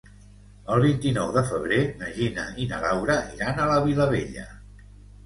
El vint-i-nou de febrer na Gina i na Laura iran a la Vilavella.